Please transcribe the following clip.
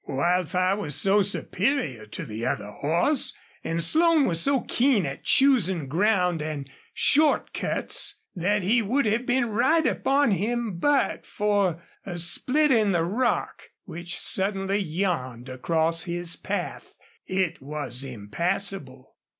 Wildfire was so superior to the other's horse, and Slone was so keen at choosing ground and short cuts, that he would have been right upon him but for a split in the rock which suddenly yawned across his path. It was impassable.